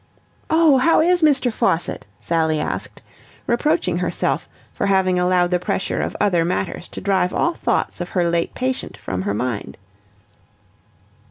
"Oh, how is Mr. Faucitt?" Sally asked, reproaching herself for having allowed the pressure of other matters to drive all thoughts of her late patient from her mind.